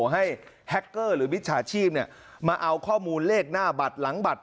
ให้แฮคเกอร์หรือมิจฉาชีพมาเอาข้อมูลเลขหน้าบัตรหลังบัตร